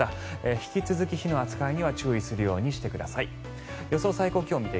引き続き火の扱いには注意するようにしてください。